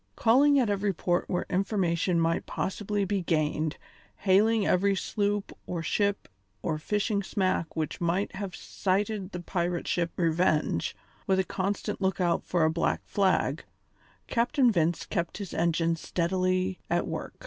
Calling at every port where information might possibly be gained, hailing every sloop or ship or fishing smack which might have sighted the pirate ship Revenge, with a constant lookout for a black flag, Captain Vince kept his engine steadily at work.